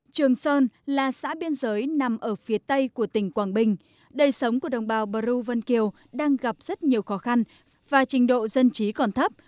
trường sơn là xã biên giới nằm ở phía tây của tỉnh quảng bình đời sống của đồng bào bờ rêu vân kiều đang gặp rất nhiều khó khăn và trình độ dân trí còn thấp